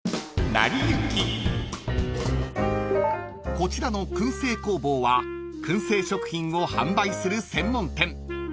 ［こちらの燻製工房は燻製食品を販売する専門店］